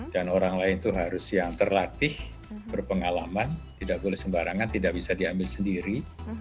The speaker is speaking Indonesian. dan orang lain itu harus yang terlatih berpengalaman tidak boleh sembarangan tidak bisa diambil sendiri